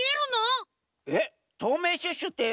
えっとうめいシュッシュってなんざんすか？